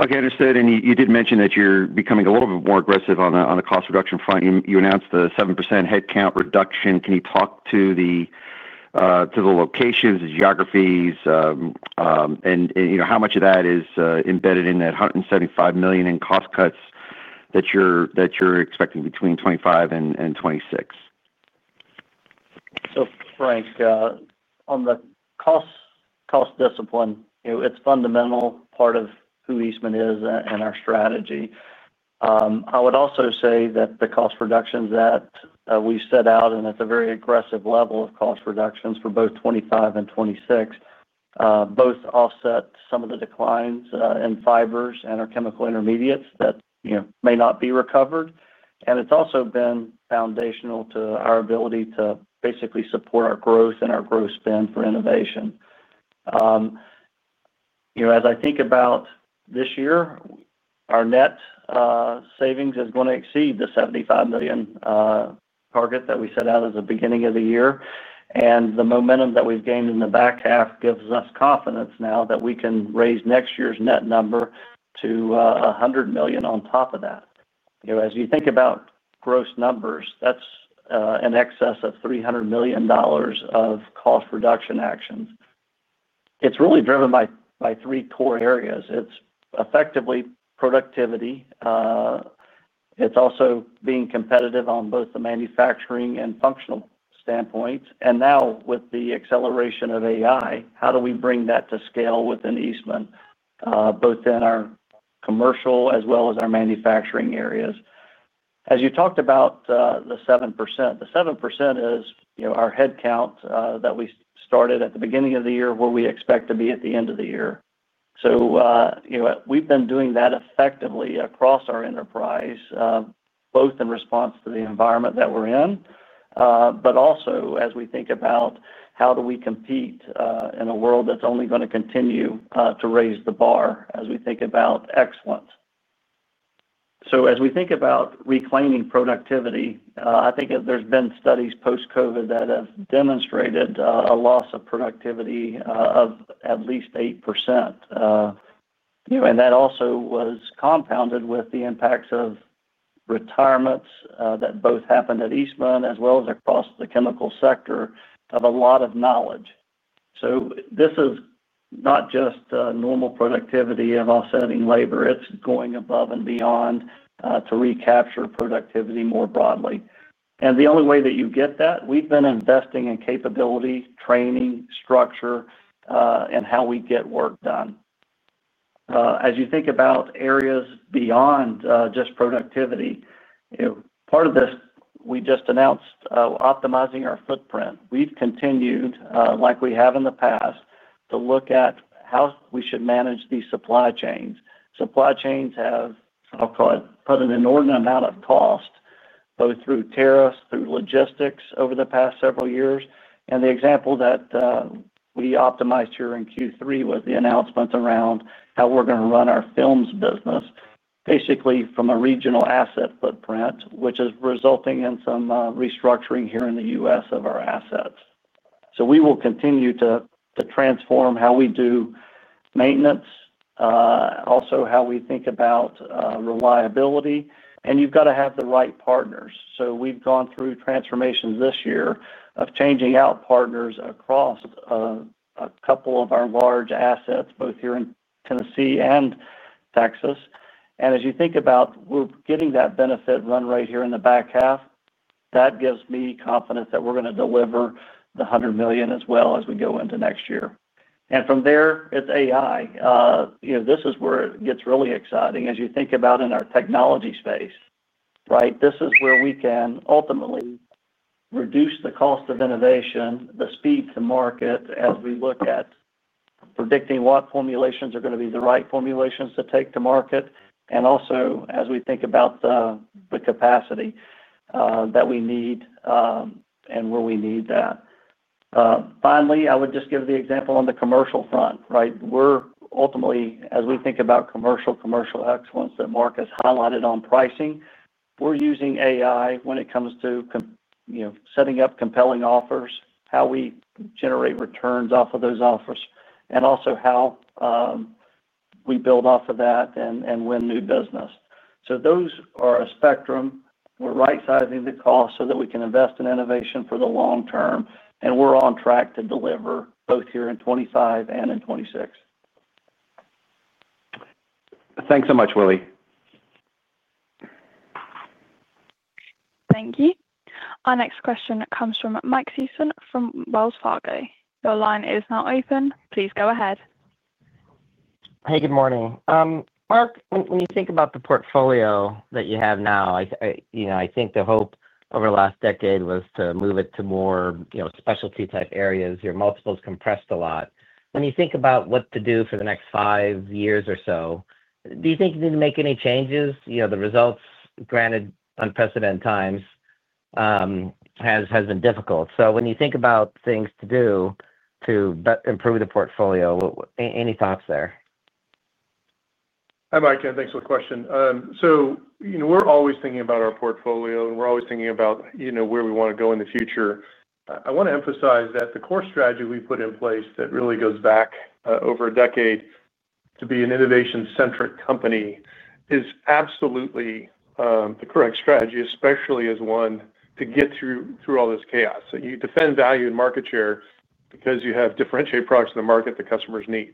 Okay, understood. You did mention that you're becoming a little bit more aggressive on the cost reduction front. You announced the 7% headcount reduction. Can you talk to the locations, the geographies, and how much of that is embedded in that $175 million in cost cuts that you're expecting between 2025 and 2026? Frank, on the cost discipline, it's a fundamental part of who Eastman is and our strategy. I would also say that the cost reductions that we set out, and it's a very aggressive level of cost reductions for both 2025 and 2026, both offset some of the declines in fibers and our chemical intermediates that may not be recovered. It's also been foundational to our ability to basically support our growth and our growth spend for innovation. As I think about this year, our net savings is going to exceed the $75 million target that we set out at the beginning of the year. The momentum that we've gained in the back half gives us confidence now that we can raise next year's net number to $100 million on top of that. As you think about gross numbers, that's in excess of $300 million of cost reduction actions. It's really driven by three core areas. It's effectively productivity. It's also being competitive on both the manufacturing and functional standpoints. Now, with the acceleration of AI, how do we bring that to scale within Eastman, both in our commercial as well as our manufacturing areas? As you talked about the 7%, the 7% is our headcount that we started at the beginning of the year, where we expect to be at the end of the year. We've been doing that effectively across our enterprise, both in response to the environment that we're in, but also as we think about how do we compete in a world that's only going to continue to raise the bar as we think about excellence. As we think about reclaiming productivity, I think there's been studies post-COVID that have demonstrated a loss of productivity of at least 8%. That also was compounded with the impacts of retirements that both happened at Eastman as well as across the chemical sector of a lot of knowledge. This is not just normal productivity of offsetting labor. It's going above and beyond to recapture productivity more broadly. The only way that you get that, we've been investing in capability, training, structure, and how we get work done. As you think about areas beyond just productivity, part of this, we just announced optimizing our footprint. We've continued, like we have in the past, to look at how we should manage these supply chains. Supply chains have, I'll call it, put an inordinate amount of cost both through tariffs, through logistics over the past several years. The example that we optimized here in Q3 was the announcement around how we're going to run our films business, basically from a regional asset footprint, which is resulting in some restructuring here in the U.S. of our assets. We will continue to transform how we do maintenance, also how we think about reliability. You've got to have the right partners. We've gone through transformations this year of changing out partners across. A couple of our large assets, both here in Tennessee and Texas. As you think about it, we're getting that benefit run right here in the back half. That gives me confidence that we're going to deliver the $100 million as well as we go into next year. From there, it's AI. This is where it gets really exciting. As you think about in our technology space, right, this is where we can ultimately reduce the cost of innovation, the speed to market as we look at predicting what formulations are going to be the right formulations to take to market. Also, as we think about the capacity that we need and where we need that. Finally, I would just give the example on the commercial front, right? Ultimately, as we think about commercial, commercial excellence that Mark has highlighted on pricing, we're using AI when it comes to setting up compelling offers, how we generate returns off of those offers, and also how we build off of that and win new business. Those are a spectrum. We're right-sizing the cost so that we can invest in innovation for the long term. We're on track to deliver both here in 2025 and in 2026. Thanks so much, Willie. Thank you. Our next question comes from Mike Sison from Wells Fargo. Your line is now open. Please go ahead. Hey, good morning. Mark, when you think about the portfolio that you have now, I think the hope over the last decade was to move it to more specialty-type areas. Your multiples compressed a lot. When you think about what to do for the next five years or so, do you think you need to make any changes? The results, granted, unprecedented times. Has been difficult. When you think about things to do to improve the portfolio, any thoughts there? Hi, Mike. Thanks for the question. We're always thinking about our portfolio, and we're always thinking about where we want to go in the future. I want to emphasize that the core strategy we put in place that really goes back over a decade to be an innovation-centric company is absolutely the correct strategy, especially as one to get through all this chaos. You defend value and market share because you have differentiated products in the market that customers need,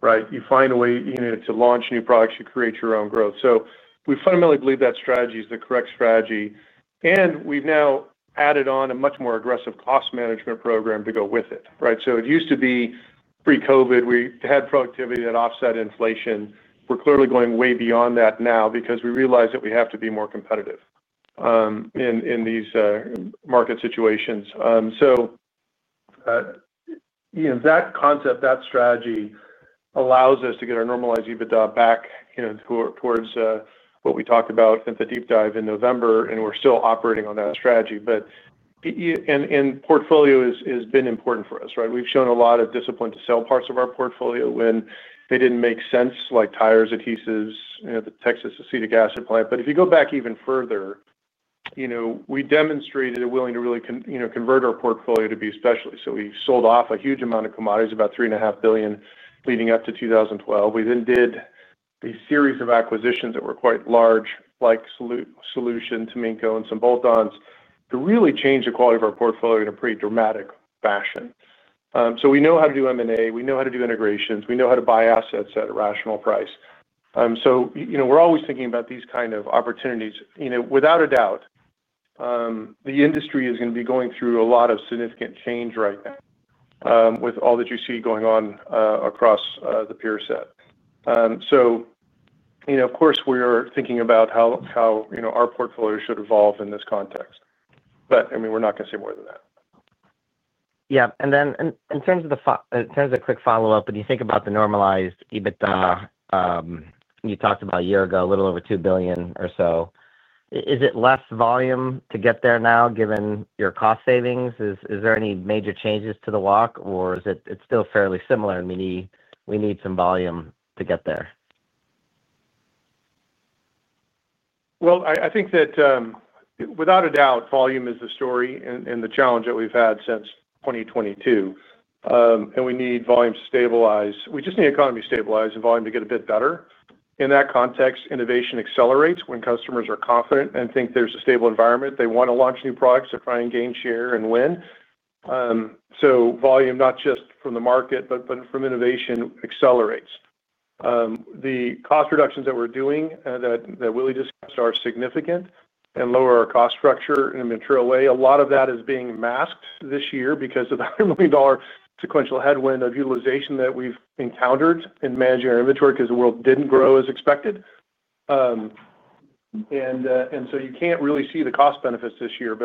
right? You find a way to launch new products. You create your own growth. We fundamentally believe that strategy is the correct strategy. We've now added on a much more aggressive cost management program to go with it, right? It used to be pre-COVID, we had productivity that offset inflation. We're clearly going way beyond that now because we realize that we have to be more competitive in these market situations. That concept, that strategy allows us to get our normalized EBITDA back towards what we talked about at the deep dive in November, and we're still operating on that strategy. Portfolio has been important for us, right? We've shown a lot of discipline to sell parts of our portfolio when they didn't make sense, like tires, adhesives, the Texas acetic acid plant. If you go back even further, we demonstrated a willingness to really convert our portfolio to be specialists. We sold off a huge amount of commodities, about $3.5 billion, leading up to 2012. We then did a series of acquisitions that were quite large, like Solutia, Taminco, and some bolt-ons, to really change the quality of our portfolio in a pretty dramatic fashion. We know how to do M&A. We know how to do integrations. We know how to buy assets at a rational price. We're always thinking about these kinds of opportunities. Without a doubt, the industry is going to be going through a lot of significant change right now with all that you see going on across the peer set. Of course, we're thinking about how our portfolio should evolve in this context. I mean, we're not going to say more than that. Yeah. In terms of the quick follow-up, when you think about the normalized EBITDA, you talked about a year ago, a little over $2 billion or so. Is it less volume to get there now, given your cost savings? Is there any major changes to the walk, or is it still fairly similar and we need some volume to get there? I think that without a doubt, volume is the story and the challenge that we've had since 2022. We need volume to stabilize. We just need economy to stabilize and volume to get a bit better. In that context, innovation accelerates when customers are confident and think there's a stable environment. They want to launch new products to try and gain share and win. Volume, not just from the market, but from innovation, accelerates. The cost reductions that we're doing that Willie discussed are significant and lower our cost structure in a material way. A lot of that is being masked this year because of the $100 million sequential headwind of utilization that we've encountered in managing our inventory because the world didn't grow as expected. You can't really see the cost benefits this year.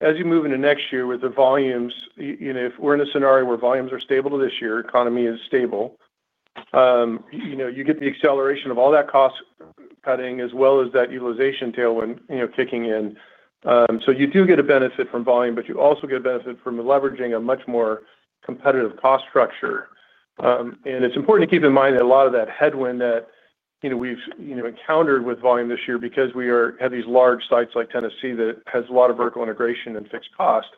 As you move into next year with the volumes, if we're in a scenario where volumes are stable this year, economy is stable, you get the acceleration of all that cost cutting as well as that utilization tailwind kicking in. You do get a benefit from volume, but you also get a benefit from leveraging a much more competitive cost structure. It's important to keep in mind that a lot of that headwind that we've encountered with volume this year is because we have these large sites like Tennessee that has a lot of vertical integration and fixed cost.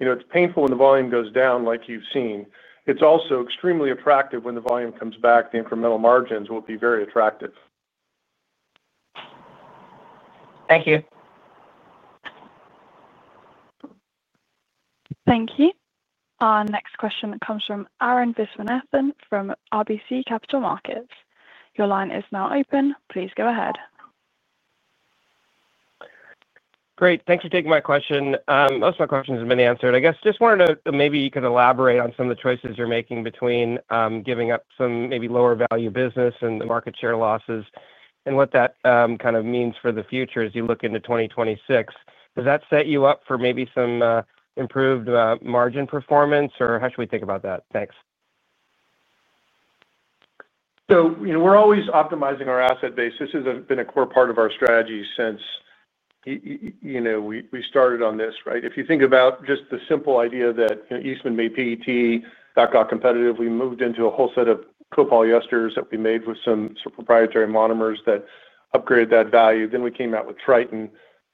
It's painful when the volume goes down like you've seen. It's also extremely attractive when the volume comes back. The incremental margins will be very attractive. Thank you. Thank you. Our next question comes from Arun Viswanathan from RBC Capital Markets. Your line is now open. Please go ahead. Great. Thanks for taking my question. Most of my questions have been answered. I guess just wanted to maybe you could elaborate on some of the choices you're making between giving up some maybe lower-value business and the market share losses and what that kind of means for the future as you look into 2026. Does that set you up for maybe some improved margin performance, or how should we think about that? Thanks. We're always optimizing our asset base. This has been a core part of our strategy since we started on this, right? If you think about just the simple idea that Eastman made PET, not got competitive, we moved into a whole set of copolyesters that we made with some proprietary monomers that upgraded that value. Then we came out with Tritan,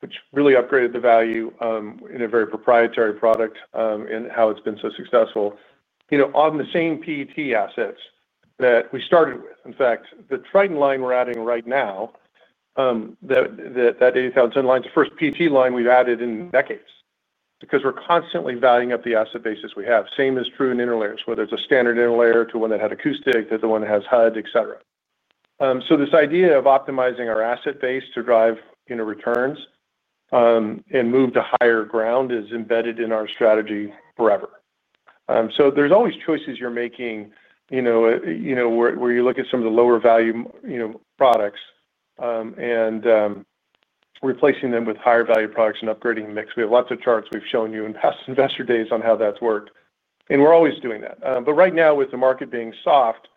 which really upgraded the value in a very proprietary product and how it's been so successful. On the same PET assets that we started with. In fact, the Tritan line we're adding right now, that 80,000 ton line, it's the first PET line we've added in decades because we're constantly valuing up the asset basis we have. Same is true in interlayers, whether it's a standard interlayer to one that had acoustic, to the one that has HUD, etc. This idea of optimizing our asset base to drive returns and move to higher ground is embedded in our strategy forever. There's always choices you're making where you look at some of the lower-value products and replacing them with higher-value products and upgrading the mix. We have lots of charts we've shown you in past investor days on how that's worked, and we're always doing that. Right now, with the market being soft,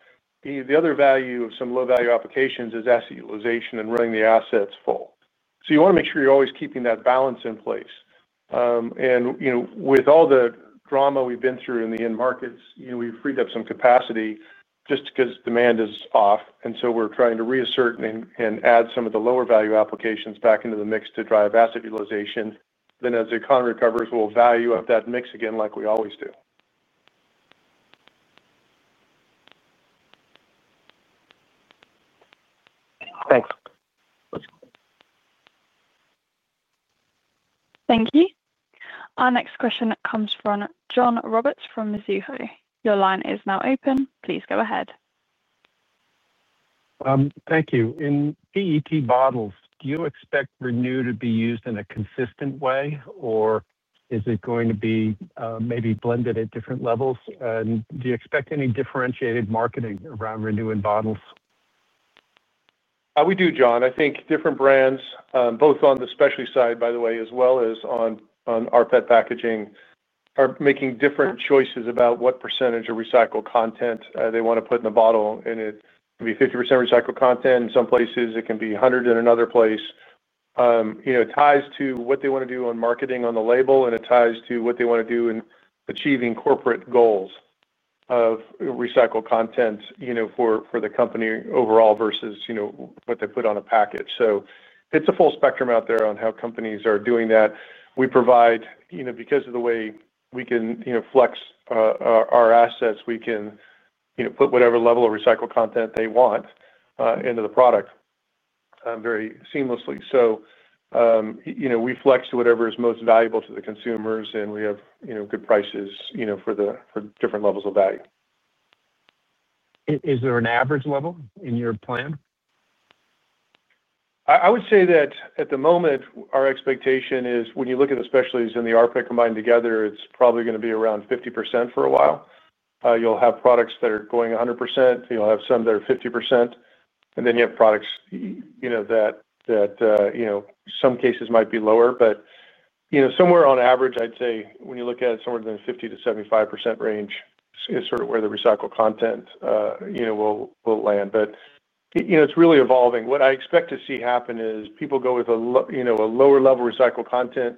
the other value of some low-value applications is asset utilization and running the assets full. You want to make sure you're always keeping that balance in place. With all the drama we've been through in the end markets, we've freed up some capacity just because demand is off, and we're trying to reassert and add some of the lower-value applications back into the mix to drive asset utilization. As the economy recovers, we'll value up that mix again like we always do. Thanks. Thank you. Our next question comes from John Roberts from Mizuho. Your line is now open. Please go ahead. Thank you. In PET bottles, do you expect Renew to be used in a consistent way, or is it going to be maybe blended at different levels? Do you expect any differentiated marketing around Renew in bottles? We do, John. I think different brands, both on the specialty side, by the way, as well as on our pet packaging, are making different choices about what percentage of recycled content they want to put in the bottle. And it can be 50% recycled content. In some places, it can be 100 in another place. It ties to what they want to do on marketing on the label, and it ties to what they want to do in achieving corporate goals of recycled content for the company overall versus what they put on a package. So it's a full spectrum out there on how companies are doing that. We provide, because of the way we can flex. Our assets, we can put whatever level of recycled content they want into the product. Very seamlessly. So. We flex to whatever is most valuable to the consumers, and we have good prices for different levels of value. Is there an average level in your plan? I would say that at the moment, our expectation is when you look at the specialties and the rPET combined together, it's probably going to be around 50% for a while. You'll have products that are going 100%. You'll have some that are 50%. You have products that in some cases might be lower. Somewhere on average, I'd say when you look at somewhere in the 50%-75% range is sort of where the recycled content will land. It's really evolving. What I expect to see happen is people go with a lower level of recycled content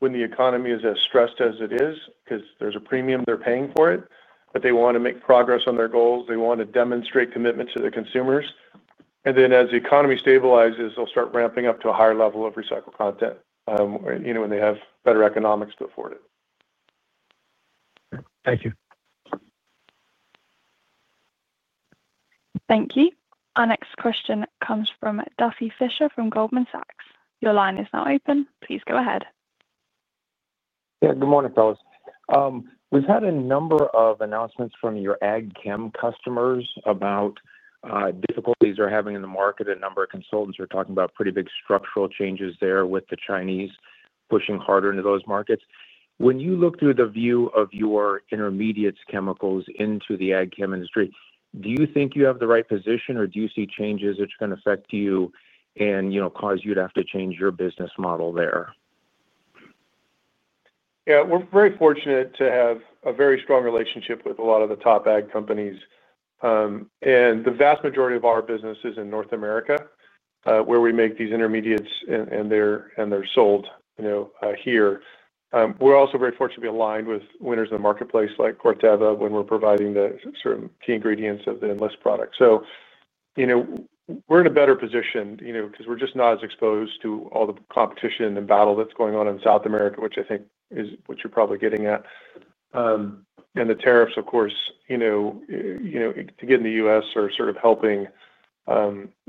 when the economy is as stressed as it is because there's a premium they're paying for it, but they want to make progress on their goals. They want to demonstrate commitment to the consumers. As the economy stabilizes, they'll start ramping up to a higher level of recycled content when they have better economics to afford it. Thank you. Thank you. Our next question comes from Duffy Fisher from Goldman Sachs. Your line is now open. Please go ahead. Yeah. Good morning, fellas. We've had a number of announcements from your Ag Chem customers about difficulties they're having in the market. A number of consultants are talking about pretty big structural changes there with the Chinese pushing harder into those markets. When you look through the view of your intermediates chemicals into the Ag Chem industry, do you think you have the right position, or do you see changes that are going to affect you and cause you to have to change your business model there? Yeah. We're very fortunate to have a very strong relationship with a lot of the top Ag companies. And the vast majority of our business is in North America, where we make these intermediates and they're sold here. We're also very fortunate to be aligned with winners in the marketplace like Corteva when we're providing the sort of key ingredients of the endless product. We're in a better position because we're just not as exposed to all the competition and battle that's going on in South America, which I think is what you're probably getting at. And the tariffs, of course. Again, the U.S. are sort of helping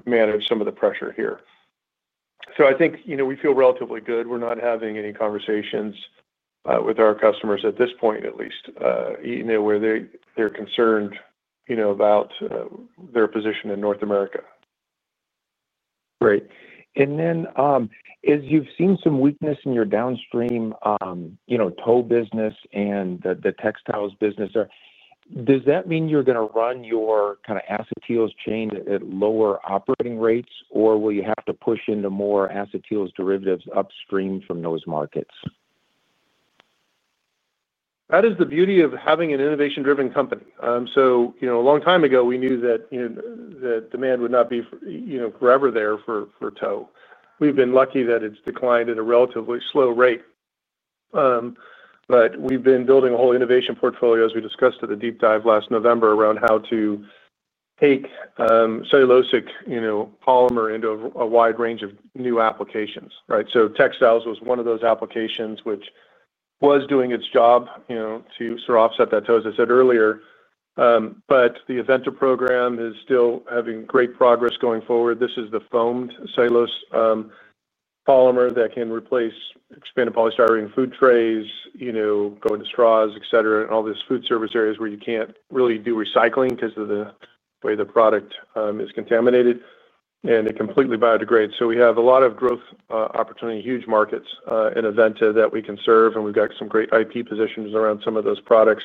manage some of the pressure here. I think we feel relatively good. We're not having any conversations with our customers at this point, at least, where they're concerned about their position in North America. Great. As you've seen some weakness in your downstream tow business and the textiles business there, does that mean you're going to run your kind of acetyls chain at lower operating rates, or will you have to push into more acetyls derivatives upstream from those markets? That is the beauty of having an innovation-driven company. A long time ago, we knew that the demand would not be forever there for tow. We've been lucky that it's declined at a relatively slow rate. We've been building a whole innovation portfolio, as we discussed at the deep dive last November, around how to take cellulosic polymer into a wide range of new applications, right? Textiles was one of those applications which was doing its job to sort of offset that, as I said earlier. The Aventa program is still having great progress going forward. This is the foamed cellulose polymer that can replace expanded polystyrene food trays, go into straws, etc., and all these food service areas where you can't really do recycling because of the way the product is contaminated and it completely biodegrades. We have a lot of growth opportunity, huge markets in Aventa that we can serve. We've got some great IP positions around some of those products.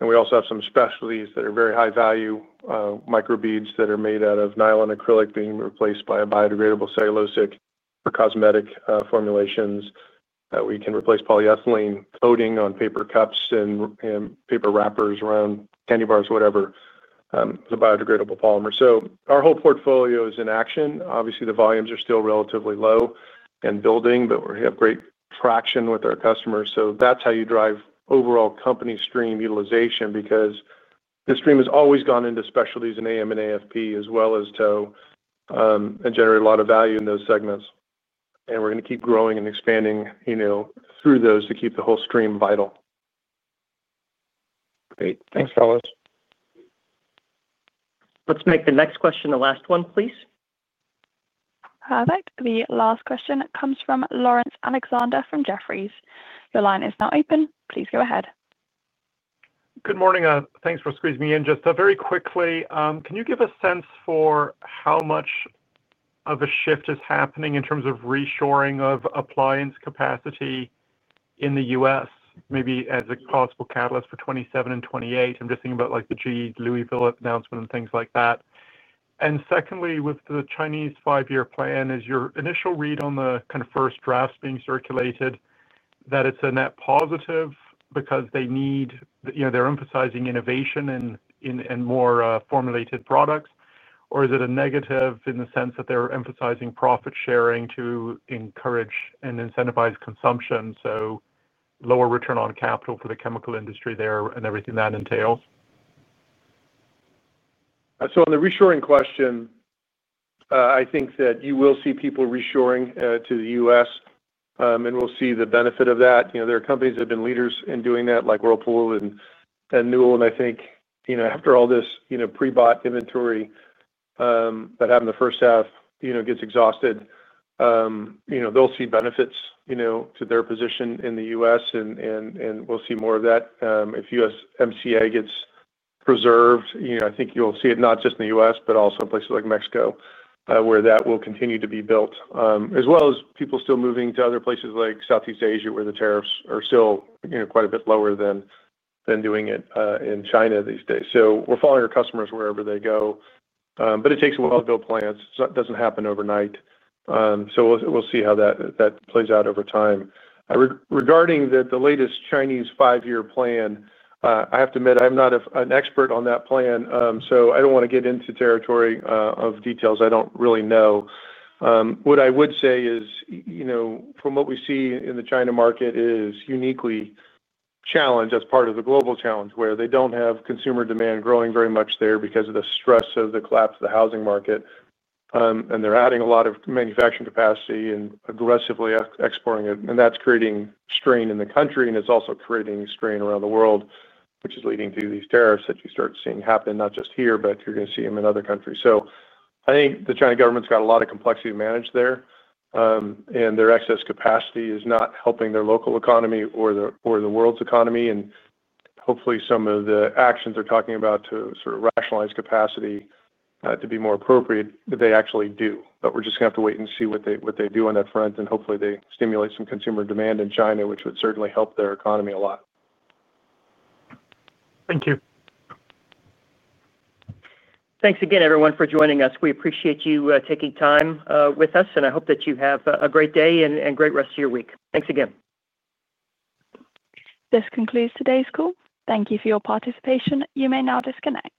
We also have some specialties that are very high-value microbeads that are made out of nylon acrylic being replaced by a biodegradable cellulosic for cosmetic formulations that we can replace polyethylene coating on paper cups and paper wrappers around candy bars, whatever. The biodegradable polymer. Our whole portfolio is in action. Obviously, the volumes are still relatively low and building, but we have great traction with our customers. That's how you drive overall company stream utilization because the stream has always gone into specialties in AM and AFP as well as tow and generate a lot of value in those segments. We're going to keep growing and expanding through those to keep the whole stream vital. Great. Thanks, fellas. Let's make the next question the last one, please. Perfect. The last question comes from Laurence Alexander from Jefferies. Your line is now open. Please go ahead. Good morning. Thanks for squeezing me in. Just very quickly, can you give a sense for how much of a shift is happening in terms of reshoring of appliance capacity in the U.S., maybe as a possible catalyst for 2027 and 2028? I'm just thinking about the GE Louisville announcement and things like that. Secondly, with the Chinese five-year plan, is your initial read on the kind of first drafts being circulated that it's a net positive because they're emphasizing innovation and more formulated products, or is it a negative in the sense that they're emphasizing profit sharing to encourage and incentivize consumption, so lower return on capital for the chemical industry there and everything that entails? On the reshoring question, I think that you will see people reshoring to the U.S., and we will see the benefit of that. There are companies that have been leaders in doing that, like Whirlpool and Newell. I think after all this pre-bought inventory that happened the first half gets exhausted, they will see benefits to their position in the U.S., and we will see more of that. If USMCA gets preserved, I think you will see it not just in the U.S., but also in places like Mexico, where that will continue to be built, as well as people still moving to other places like Southeast Asia, where the tariffs are still quite a bit lower than doing it in China these days. We are following our customers wherever they go, but it takes a while to build plants. It does not happen overnight. We will see how that plays out over time. Regarding the latest Chinese five-year plan, I have to admit, I am not an expert on that plan, so I do not want to get into territory of details I do not really know. What I would say is, from what we see in the China market, it is uniquely challenged as part of the global challenge, where they do not have consumer demand growing very much there because of the stress of the collapse of the housing market. They are adding a lot of manufacturing capacity and aggressively exporting it, and that is creating strain in the country, and it is also creating strain around the world, which is leading to these tariffs that you start seeing happen, not just here, but you are going to see them in other countries. I think the China government has got a lot of complexity to manage there, and their excess capacity is not helping their local economy or the world's economy. Hopefully, some of the actions they are talking about to sort of rationalize capacity to be more appropriate, they actually do. We are just going to have to wait and see what they do on that front, and hopefully, they stimulate some consumer demand in China, which would certainly help their economy a lot. Thank you. Thanks again, everyone, for joining us. We appreciate you taking time with us, and I hope that you have a great day and great rest of your week. Thanks again. This concludes today's call. Thank you for your participation. You may now disconnect.